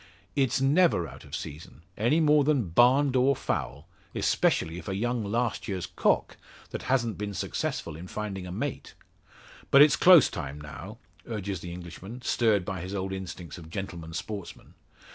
"It's never out of season, any more than barn door fowl; especially if a young last year's coq, that hasn't been successful in finding a mate." "But it's close time now," urges the Englishman, stirred by his old instincts of gentleman sportsman.